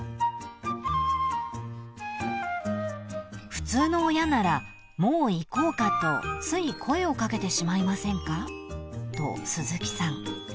［普通の親ならもう行こうかとつい声を掛けてしまいませんかと鈴木さん］